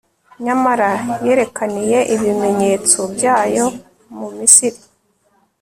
nyamara yerekaniye ibimenyetso byayo mu misiri